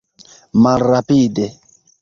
malrapide